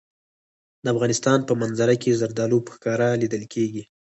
د افغانستان په منظره کې زردالو په ښکاره لیدل کېږي.